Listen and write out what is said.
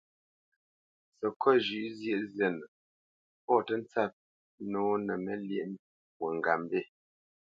Səkôt zhʉ̌ʼ zyēʼ zînə, pɔ̌ tə́ ntsǎp nǒ nə Məlyéʼmbî fwo ŋgapmbî.